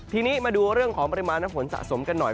ทีนี้มาดูเรื่องของปริมาณน้ำฝนสะสมกันหน่อย